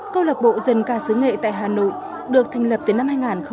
câu lạc bộ dân ca sứ nghệ tại hà nội được thành lập từ năm hai nghìn một mươi